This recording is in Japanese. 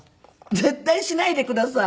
絶対しないでください。